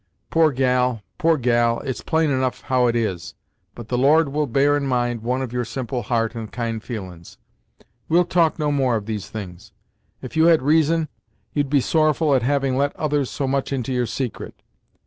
"Poor gal, poor gal, it's plain enough how it is, but the Lord will bear in mind one of your simple heart and kind feelin's! We'll talk no more of these things; if you had reason, you'd be sorrowful at having let others so much into your secret.